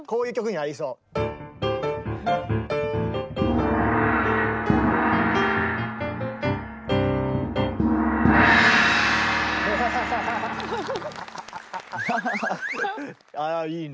あいいね。